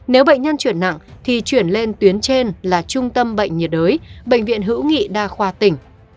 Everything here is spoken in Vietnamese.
nếu bệnh nhân chuyển nặng thì chuyển lên tuyến trên là trung tâm bệnh nhiệt đới bệnh viện hữu nghị đa khoa tỉnh